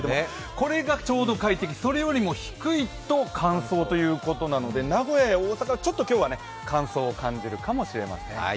これがちょうど快適それよりも低いと乾燥ということなので名古屋や大阪ね、今日はちょっと乾燥を感じるかもしれません。